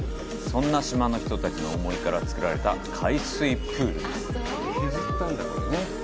そんな島の人たちの思いから造られた海水プールです。